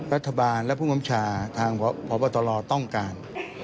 รัฐบาลและผู้กำชาทางพบตรต้องการ